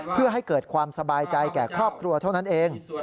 เพื่อให้เกิดความสบายใจแก่ครอบครัวเท่านั้นเอง